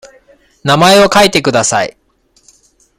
名前を書いてください。